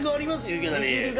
いきなり。